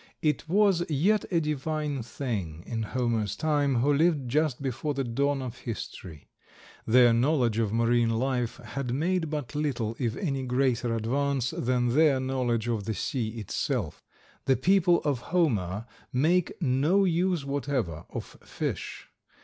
It was yet a divine thing in Homer's time, who lived just before the dawn of history. Their knowledge of marine life had made but little if any greater advance than their knowledge of the sea itself. The people of Homer make no use whatever of fish.